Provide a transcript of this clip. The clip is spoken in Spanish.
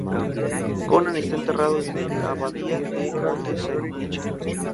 Conan está enterrado en la abadía del Monte Saint-Michel.